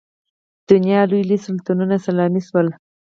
د دنیا لوی لوی سلطنتونه سلامي شول.